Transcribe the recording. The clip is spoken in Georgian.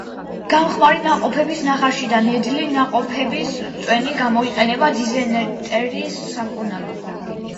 გამხმარი ნაყოფების ნახარში და ნედლი ნაყოფების წვენი გამოიყენება დიზენტერიის სამკურნალოდ.